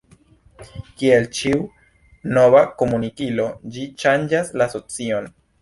Kiel ĉiu nova komunikilo ĝi ŝanĝas la socion.